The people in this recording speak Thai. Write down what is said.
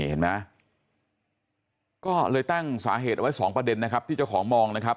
เห็นไหมก็เลยตั้งสาเหตุไว้สองประเด็นนะครับที่เจ้าของมองนะครับ